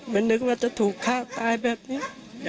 นึกว่าจะถูกฆ่าตายแบบนี้